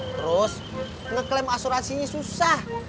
terus ngeklaim asurasinya susah